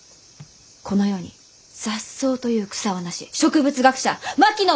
この世に雑草という草はなし植物学者槙野